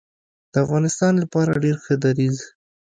د افغانستان لپاره ډیر ښه دریځ